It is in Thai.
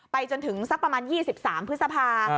จนถึงสักประมาณ๒๓พฤษภา